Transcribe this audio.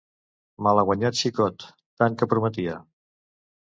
Malaguanyat xicot: tant que prometia!